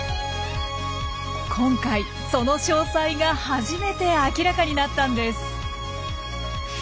今回その詳細が初めて明らかになったんです。